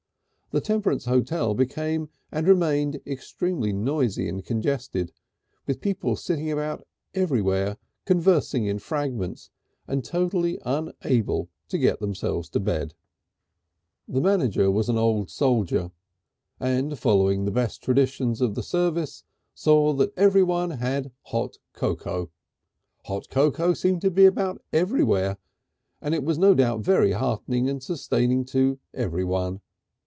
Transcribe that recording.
The Temperance Hotel became and remained extremely noisy and congested, with people sitting about anywhere, conversing in fragments and totally unable to get themselves to bed. The manager was an old soldier, and following the best traditions of the service saw that everyone had hot cocoa. Hot cocoa seemed to be about everywhere, and it was no doubt very heartening and sustaining to everyone.